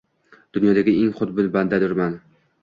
Dunyodagi eng xudbin bandadurman